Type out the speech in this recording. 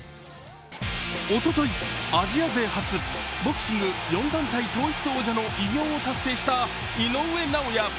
おととい、アジア勢初ボクシング４団体統一王者の偉業を達成した井上尚弥。